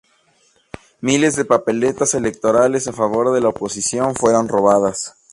Miles de papeletas electorales a favor de la oposición fueron robadas.